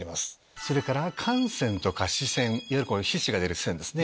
それから汗腺とか脂腺いわゆる皮脂が出る腺ですね。